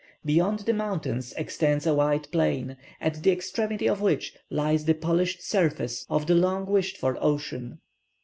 Beyond the mountains extends a wide plain, at the extremity of which lies the polished surface of the long wished for ocean.